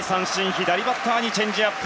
左バッターにチェンジアップ。